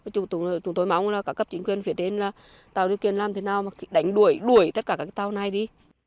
chúng tôi mong là cả cấp chính quyền phía tên là tàu điều kiện làm thế nào mà đánh đuổi đuổi tất cả các cái tàu này đi